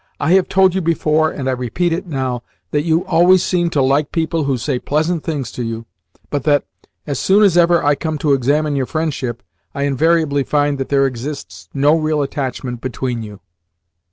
"I have told you before, and I repeat it now, that you always seem to like people who say pleasant things to you, but that, as soon as ever I come to examine your friendship, I invariably find that there exists no real attachment between you."